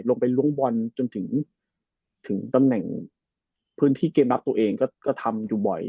ลงไปล้วงบอลจนถึงตำแหน่งพื้นที่เกมรับตัวเองก็ทำอยู่บ่อย